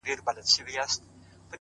هره لاسته راوړنه د زحمت عکس دی’